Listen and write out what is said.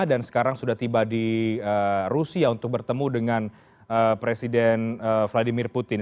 dan sekarang sudah tiba di rusia untuk bertemu dengan presiden vladimir putin